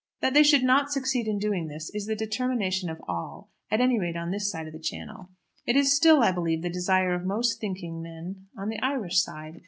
That they should not succeed in doing this is the determination of all, at any rate on this side of the Channel. It is still, I believe, the desire of most thinking men on the Irish side.